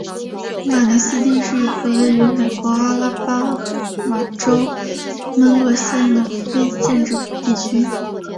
马尼斯蒂是一个位于美国阿拉巴马州门罗县的非建制地区。